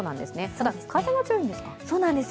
ただ風が強いんですか？